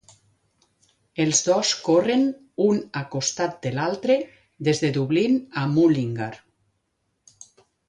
Els dos corren un a costat de l'altre des de Dublín a Mullingar.